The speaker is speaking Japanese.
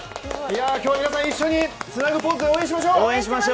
今日は皆さん、一緒にツナグポーズで応援しましょう。